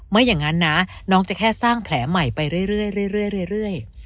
ไม่อย่างนั้นนะน้องจะแค่สร้างแผลใหม่ไปเรื่อย